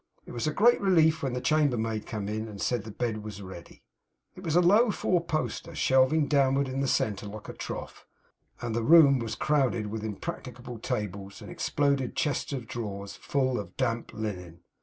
It was a great relief when the chambermaid came in, and said the bed was ready. It was a low four poster, shelving downward in the centre like a trough, and the room was crowded with impracticable tables and exploded chests of drawers, full of damp linen.